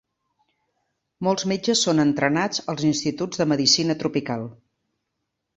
Molts metges són entrenats als Instituts de Medicina Tropical.